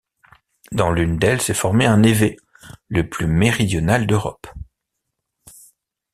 Dans l'une d'elles s'est formé un névé, le plus méridional d'Europe.